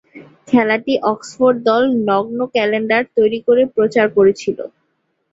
খেলাটি অক্সফোর্ড দল নগ্ন ক্যালেন্ডার তৈরি করে প্রচার করেছিল।